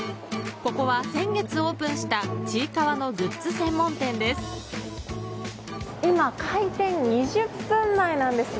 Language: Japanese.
ここは先月オープンした「ちいかわ」のグッズ専門店です。